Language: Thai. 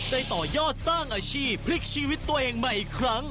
ต่อยอดสร้างอาชีพพลิกชีวิตตัวเองใหม่อีกครั้ง